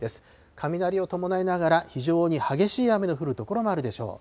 雷を伴いながら非常に激しい雨の降る所もあるでしょう。